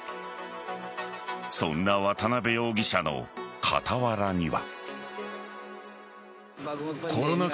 そんな渡辺容疑者の傍らには。